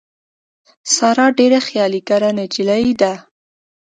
ساره ډېره خیالي ګره نجیلۍ ده.